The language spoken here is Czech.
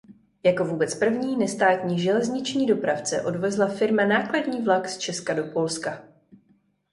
Jako vůbec první nestátní železniční dopravce odvezla firma nákladní vlak z Česka do Polska.